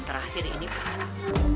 terakhir ini parang